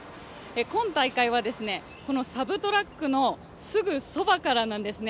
今大会はこのサブトラックのすぐそばからなんですね